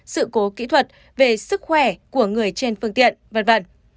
sự cố kỹ thuật về sức khỏe của người trên phương tiện v v